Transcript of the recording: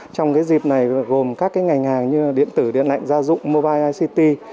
trong dịp này gồm các ngành hàng như điện tử điện lạnh gia dụng mobile ict